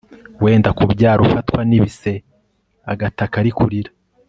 wenda kubyara ufatwa n ibise agataka ari kurira